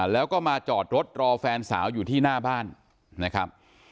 แล้วก็มาจอดรถรอแฟนสาวอยู่ที่หน้าบ้านนะครับ